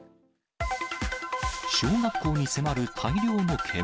小学校に迫る大量の煙。